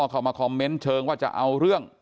เข้ามาคอมเมนต์เชิงว่าจะเอาเรื่อง